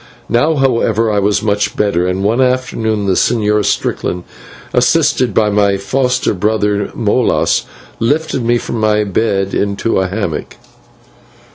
Now, however, I was much better, and one afternoon the Señor Strickland, assisted by my foster brother Molas, lifted me from my bed into a hammock.